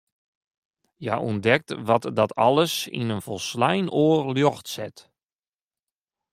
Hja ûntdekt wat dat alles yn in folslein oar ljocht set.